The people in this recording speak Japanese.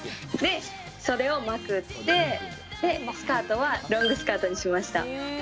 で袖をまくってスカートはロングスカートにしました。